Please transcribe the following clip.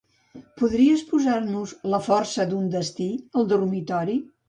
Podries posar-nos "La força d'un destí" al dormitori?